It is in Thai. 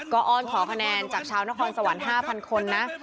ก็อ้อนขอคะแนนจากชาวนครสวรรค์๕๐๐คนนะ